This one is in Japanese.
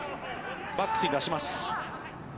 バックスに出します。